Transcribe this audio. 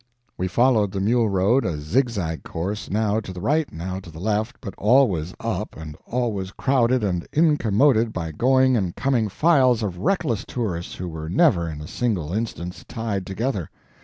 We followed the mule road, a zigzag course, now to the right, now to the left, but always up, and always crowded and incommoded by going and coming files of reckless tourists who were never, in a single instance, tied together.